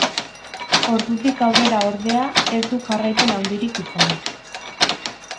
Ordutik aurrera ordea ez du jarraipen handirik izan.